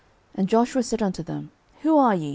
And Joshua said unto them, Who are ye?